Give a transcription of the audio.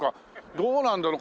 どうなんだろう？